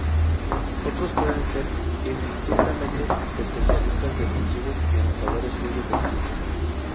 Otros pueden ser indistintamente especialistas defensivos y anotadores muy efectivos.